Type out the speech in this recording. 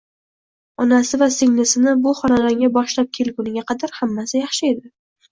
Onasi va singlisini bu xonadonga boshlab kelguniga qadar hammasi yaxshi edi